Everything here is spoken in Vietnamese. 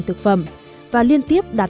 thực phẩm và liên tiếp đạt